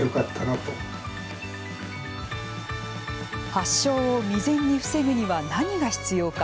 発症を未然に防ぐには何が必要か。